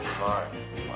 うまい。